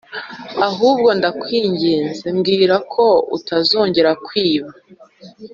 ahubwo ndakwinginze mbwira ko utazongera kwiba